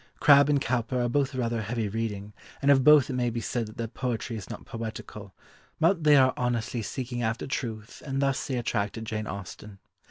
Crabbe and Cowper are both rather heavy reading, and of both it may be said that their poetry is not poetical, but they are honestly seeking after truth and thus they attracted Jane Austen.